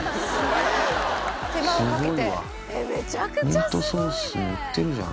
ミートソース売ってるじゃん